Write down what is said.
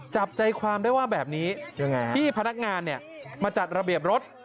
จับใจความได้ว่าแบบนี้ที่พนักงานมาจัดระเบียบรถ